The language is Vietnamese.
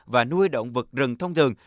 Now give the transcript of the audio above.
và nuôi động vật rừng thông thường